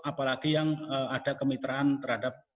apalagi yang ada kemitraan terhadap